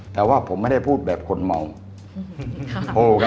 แต่ว่าผมไม่ได้พูดแบบคนเมา